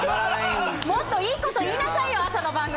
もっといいこと言いなさいよ、朝の番組。